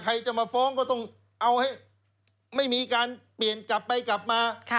ใครจะมาฟ้องก็ต้องเอาให้ไม่มีการเปลี่ยนกลับไปกลับมา